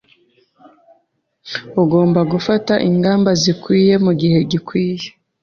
Ugomba gufata ingamba zikwiye mugihe gikwiye